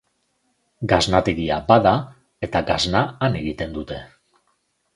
Gasnategia bada, eta gasna han egiten dute.